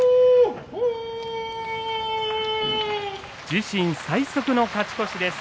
自身最速の勝ち越しです。